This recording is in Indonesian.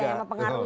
dengan pengaruh ya